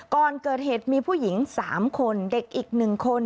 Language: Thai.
ก่อนเกิดเหตุมีผู้หญิง๓คนเด็กอีก๑คน